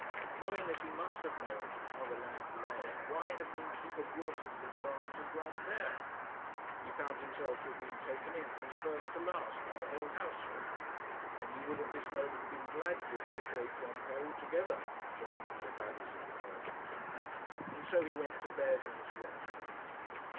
Knowing, as he must have known, how the land lay, why had the innkeeper brought him from Basle to Granpere? He found himself to have been taken in, from first to last, by the whole household, and he would at this moment have been glad to obliterate Granpere altogether from among the valleys of the Vosges. And so he went to bed in his wrath.